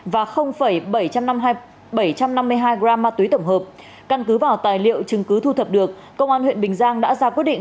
và bảy trăm năm mươi hai gram ma túy tổng hợp căn cứ vào tài liệu chứng cứ thu thập được công an huyện bình giang đã ra quyết định